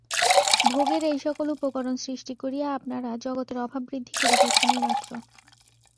ভোগের এই-সকল উপকরণ সৃষ্টি করিয়া আপনারা জগতের অভাব বৃদ্ধি করিতেছেন এই মাত্র।